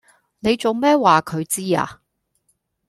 你做咩話佢知呀